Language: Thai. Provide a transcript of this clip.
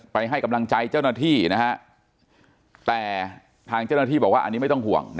ให้กำลังใจเจ้าหน้าที่นะฮะแต่ทางเจ้าหน้าที่บอกว่าอันนี้ไม่ต้องห่วง